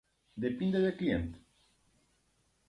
Depinde de client.